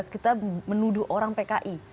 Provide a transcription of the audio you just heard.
kita menuduh orang pki